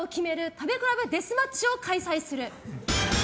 食べ比べデスマッチを開催する。